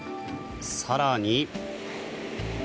更に。